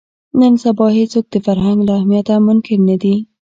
نن سبا هېڅوک د فرهنګ له اهمیته منکر نه دي